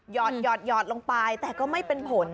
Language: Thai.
หอดลงไปแต่ก็ไม่เป็นผล